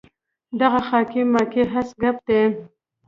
دغه خاکې ماکې هسې ګپ دی.